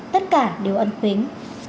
tất cả đều ân tính